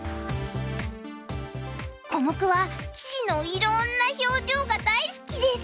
コモクは棋士のいろんな表情が大好きです。